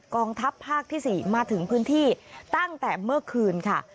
กองทัพภาคที่๔มาถึงพื้นที่ตั้งแต่เมื่อคืนค่ะ